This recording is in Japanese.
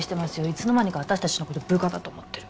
いつの間にか私たちの事を部下だと思ってる。